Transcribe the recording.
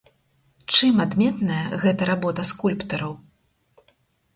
Чым адметная гэта работа скульптараў?